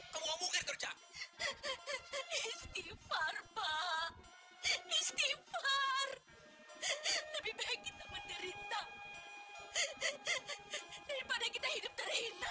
kerja istighfar pak istighfar lebih baik kita menderita daripada kita hidup terhina terhina